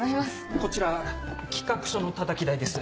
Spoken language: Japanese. こちら企画書のたたき台です。